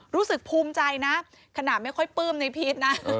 รู้สึกภูมิใจนะขนาดไม่ค่อยปลื้มในพีชนะ